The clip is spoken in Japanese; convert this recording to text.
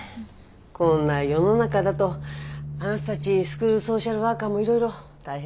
こんな世の中だとあなたたちスクールソーシャルワーカーもいろいろ大変ね。